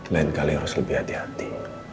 lain kali harus lebih hati hati